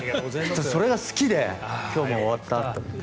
それが好きで今日も終わったって。